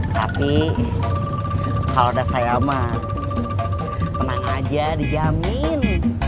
tapi kalau ada sayama tenang aja dijamin